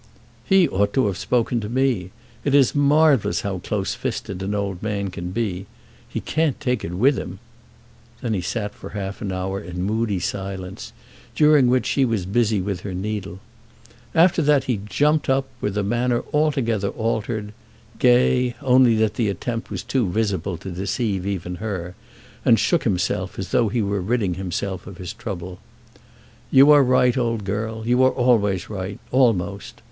"He ought to have spoken to me. It is marvellous how close fisted an old man can be. He can't take it with him." Then he sat for half an hour in moody silence, during which she was busy with her needle. After that he jumped up, with a manner altogether altered, gay, only that the attempt was too visible to deceive even her, and shook himself, as though he were ridding himself of his trouble. "You are right, old girl. You are always right, almost.